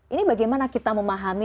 ini bagaimana kita memahami